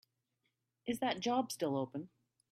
Is that job still open?